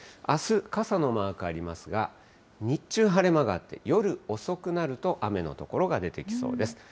あす、傘のマークがありますが、日中、晴れ間があって、夜遅くなると雨の所が出てきそうです。